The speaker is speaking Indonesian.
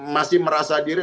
masih merasa diri